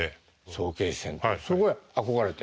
そこへ憧れて？